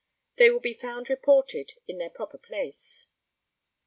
They will be found reported in their proper place.